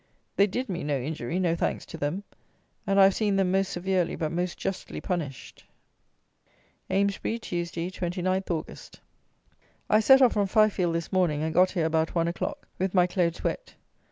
They did me no injury, no thanks to them; and I have seen them most severely, but most justly, punished. Amesbury, Tuesday, 29th August. I set off from Fifield this morning, and got here about one o'clock, with my clothes wet.